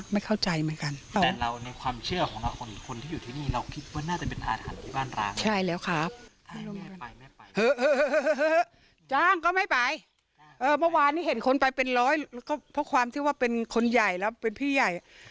ไม่เห็นคนไปเป็นร้อยก็เพราะความที่ว่าเป็นคนใหญ่แล้วเป็นพี่ใหญ่